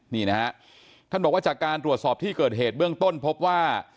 นี่นะฮะท่านบอกว่าจากการตรวจสอบที่เกิดเหตุเบื้องต้นพบว่า